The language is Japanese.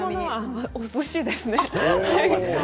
おすしですね。